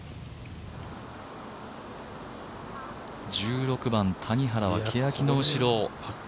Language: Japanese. １６番、谷原はけやきの後ろ。